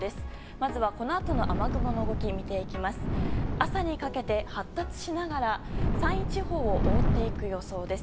まずは、このあとの雨雲の動きを見ていきます。